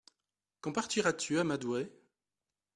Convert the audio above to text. Quand partiras-tu à Madurai ?